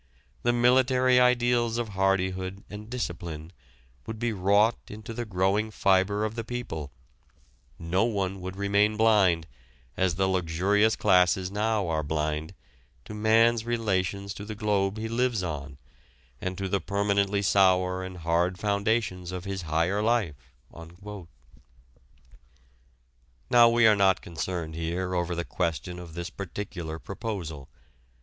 The military ideals of hardihood and discipline would be wrought into the growing fibre of the people; no one would remain blind, as the luxurious classes now are blind, to man's relations to the globe he lives on, and to the permanently sour and hard foundations of his higher life." Now we are not concerned here over the question of this particular proposal.